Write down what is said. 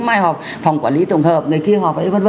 mai họp phòng quản lý tổng hợp người kia họp v v